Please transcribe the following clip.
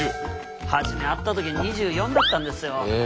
初め会った時２４だったんですよ。